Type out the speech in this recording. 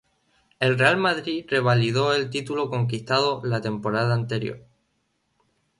El Real Madrid revalidó el título conquistado la temporada anterior.